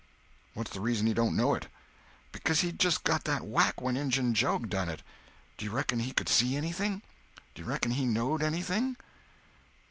"What's the reason he don't know it?" "Because he'd just got that whack when Injun Joe done it. D'you reckon he could see anything? D'you reckon he knowed anything?"